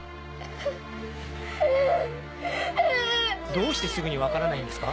どうしてすぐに分からないんですか？